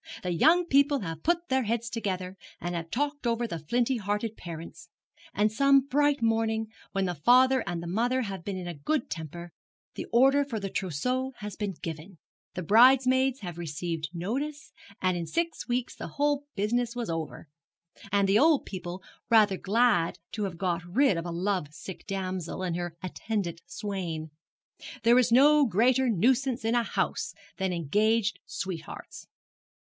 The young people have put their heads together, and have talked over the flinty hearted parents; and some bright morning, when the father and mother have been in a good temper, the order for the trousseau has been given, the bridesmaids have received notice, and in six weeks the whole business was over, And the old people rather glad to have got rid of a love sick damsel and her attendant swain. There is no greater nuisance in a house than engaged sweethearts.